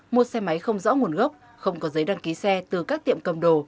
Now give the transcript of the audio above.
mua xe máy không rõ nguồn gốc không có giấy đăng ký xe từ các tiệm cầm đồ